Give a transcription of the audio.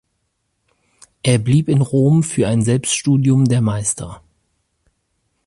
Er blieb in Rom für ein Selbststudium der Meister.